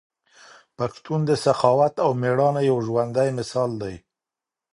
پښتون د سخاوت او ميړانې یو ژوندی مثال دی.